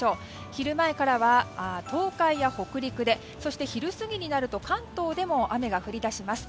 昼前からは東海や北陸でそして昼過ぎになると関東でも雨が降り出します。